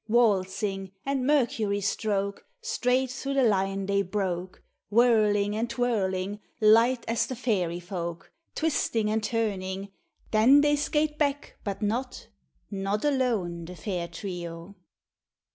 " Waltzing " and " Mercury stroke," Straight through the line they broke, Whirling and twirling, Light as the fairy folk, Twisting and turning, — Then they skate back, but not, Not alone the fair trio.